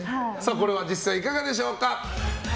これは実際いかがでしょうか。